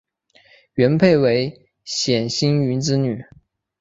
元配为冼兴云之女。